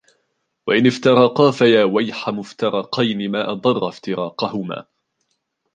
وَإِنْ افْتَرَقَا فَيَا وَيْحَ مُفْتَرَقَيْنِ مَا أَضَرَّ افْتِرَاقَهُمَا